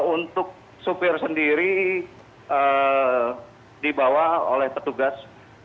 untuk supir sendiri dibawa oleh petugas